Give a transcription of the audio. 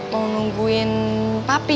mau nungguin papi